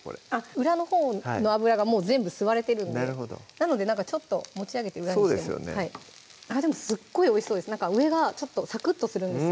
裏のほうの油がもう全部吸われてるんでなのでちょっと持ち上げて裏にしてもでもすっごいおいしそうですなんか上がサクッとするんですよ